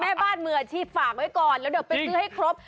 แม่บ้านมืออาชีพฝากไว้ก่อนแล้วเดี๋ยวไปซื้อให้ครบ